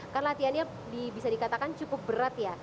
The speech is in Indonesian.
kan latihannya bisa dikatakan cukup berat ya